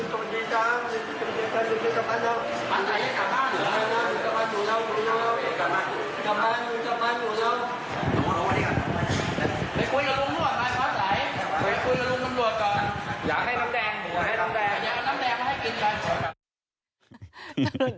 ลูกน้ำลวดบอกมาคุยกับลูกน้ำลวดก่อน